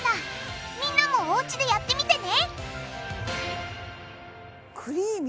みんなもおうちでやってみてね！